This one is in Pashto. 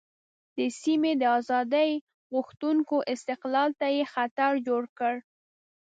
د سیمې د آزادۍ غوښتونکو استقلال ته یې خطر جوړ کړ.